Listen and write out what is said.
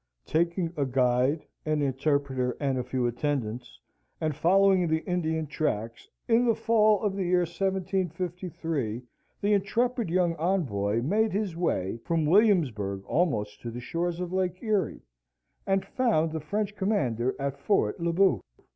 Taking a guide, an interpreter, and a few attendants, and following the Indian tracks, in the fall of the year 1753, the intrepid young envoy made his way from Williamsburg almost to the shores of Lake Erie, and found the French commander at Fort le Boeuf.